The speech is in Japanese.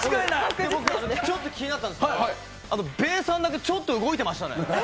ちょっと気になったんですけどべーさんだけ、ちょっと動いてましたね。